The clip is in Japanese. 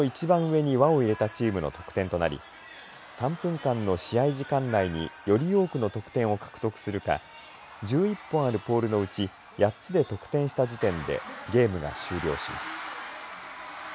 最終的にポールの一番上に輪を入れたチームの得点となり３分間の試合時間内により多くの得点を獲得するか１１本あるポールのうち８つを得点した時点でゲームが終了します。